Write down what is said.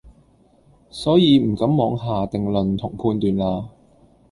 所以唔敢妄下定論同判斷啦